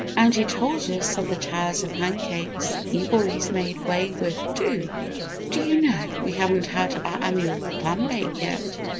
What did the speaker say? And he told us of the towers of pancakes you boys made way with, too." "Do you know, we haven't had our annual clam bake yet?"